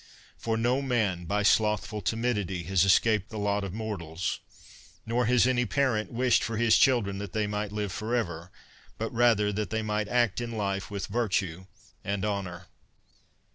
For no maA, by slothful timidity, has escaped the lot of mortals; nor has any parent wished for his children that they might live forever, but rather that they might act in life with virtue and honor.